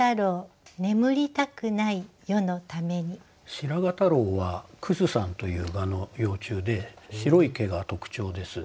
「白髪太郎」はクスサンという蛾の幼虫で白い毛が特徴です。